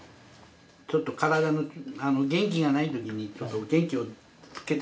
ちょっと体の元気がないときに。